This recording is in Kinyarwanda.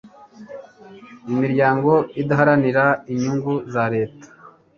imiryango idaharanira inyungu zareta